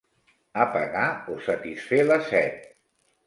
Apagar o satisfer la set.